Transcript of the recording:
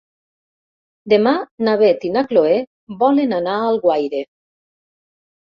Demà na Beth i na Chloé volen anar a Alguaire.